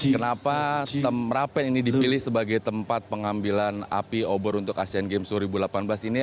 kenapa tem rapen ini dipilih sebagai tempat pengambilan api obor untuk asean games dua ribu delapan belas ini